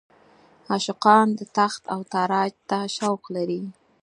عاشقان تاخت او تاراج ته شوق لري.